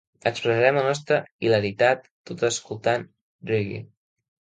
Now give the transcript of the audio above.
Expressàrem la nostra hilaritat tot escoltant reagge.